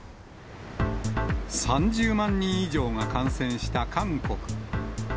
３０万人以上が感染した韓国。